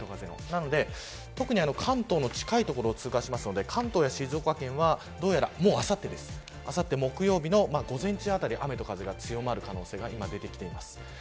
なので関東の近い所を通過するので関東や静岡県はどうやら、あさって木曜日の午前中あたり雨と風が強まる可能性が今出てきています。